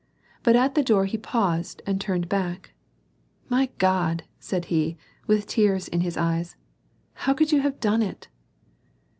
But at the door he paused and turned hack, " My God !" said he, with tears in his eyes ;" how could you have done it